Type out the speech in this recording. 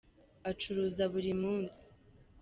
acuruza burimunsi.